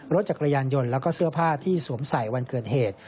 รถจักรยานยนต์แล้วก็เสื้อผ้าที่สวมใส่วันเกิดเหตุ